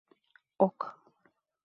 Ок!..